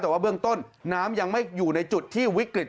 แต่ว่าเบื้องต้นน้ำยังไม่อยู่ในจุดที่วิกฤต